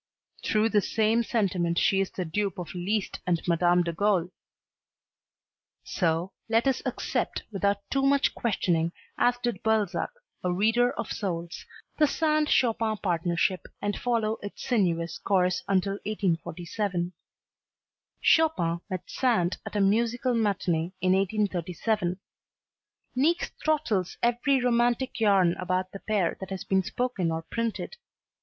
through the same sentiment she is the dupe of Liszt and Madame d'Agoult. So let us accept without too much questioning as did Balzac, a reader of souls, the Sand Chopin partnership and follow its sinuous course until 1847. Chopin met Sand at a musical matinee in 1837. Niecks throttles every romantic yarn about the pair that has been spoken or printed.